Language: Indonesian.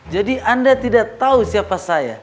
jadi anda tidak tahu siapa saya